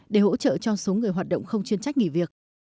để hỗ trợ cho số người hoạt động không chuyên trách nghỉ việc